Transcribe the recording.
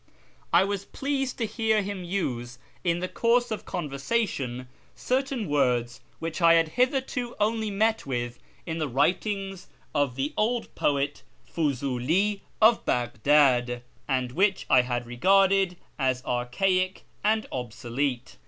I was pleased to hear him use in the course of conversation certain words which I had hitherto only met with in the writings of the old poet Fuziili of Baghdad, and which I had regarded as archaic and obsolete.